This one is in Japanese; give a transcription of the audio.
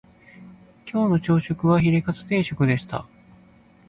今日の朝食はヒレカツ定食でした